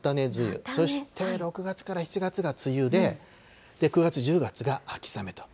ここ、３月、４月が菜種梅雨、そして、６月から７月が梅雨で、９月、１０月が秋雨と。